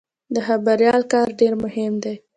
د خبریال کار ډېر مهم دی.